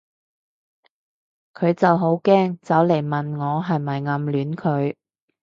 佢就好驚走嚟問我係咪暗戀佢